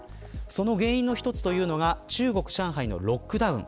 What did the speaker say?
その原因の一つが中国、上海のロックダウン。